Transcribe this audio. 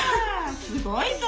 すごいぞ！